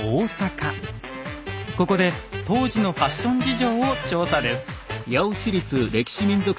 ここで当時のファッション事情を調査です。